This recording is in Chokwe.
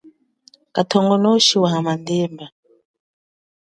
Kathongonoshi wa hamandemba.